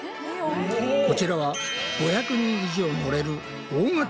こちらは５００人以上乗れる大型